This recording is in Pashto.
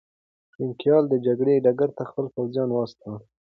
پرنګیان د جګړې ډګر ته خپل پوځونه واستول.